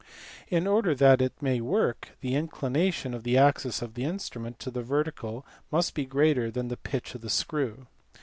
In order that it may work, the inclination of the axis of the instrument to the vertical must be greater than the pitch of the screw.